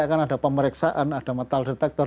akan ada pemeriksaan ada metal detector